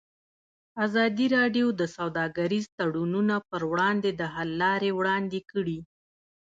ازادي راډیو د سوداګریز تړونونه پر وړاندې د حل لارې وړاندې کړي.